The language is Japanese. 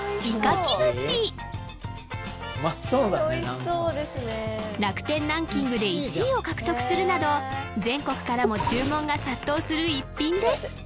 何かおいしそうですね楽天ランキングで１位を獲得するなど全国からも注文が殺到する逸品です